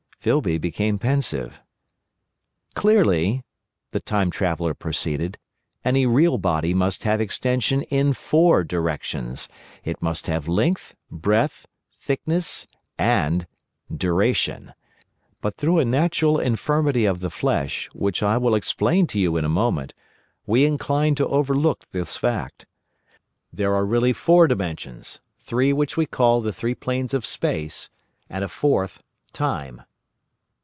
Filby became pensive. "Clearly," the Time Traveller proceeded, "any real body must have extension in four directions: it must have Length, Breadth, Thickness, and—Duration. But through a natural infirmity of the flesh, which I will explain to you in a moment, we incline to overlook this fact. There are really four dimensions, three which we call the three planes of Space, and a fourth, Time.